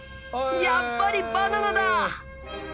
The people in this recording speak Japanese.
やっぱりバナナだ！